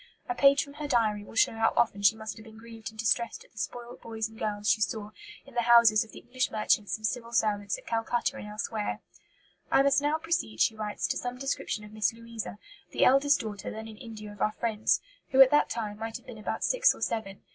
A page from her diary will show how often she must have been grieved and distressed at the spoilt boys and girls she saw in the houses of the English merchants and Civil servants at Calcutta and elsewhere. "I must now proceed," she writes, "to some description of Miss Louisa, the eldest daughter then in India of our friends, who at that time might have been about six or seven.